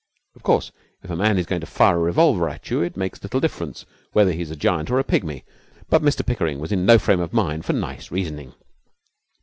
Of course, if a man is going to fire a revolver at you it makes little difference whether he is a giant or a pygmy, but Mr Pickering was in no frame of mind for nice reasoning.